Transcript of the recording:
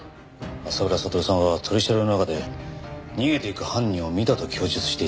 浅倉悟さんは取り調べの中で逃げていく犯人を見たと供述していた。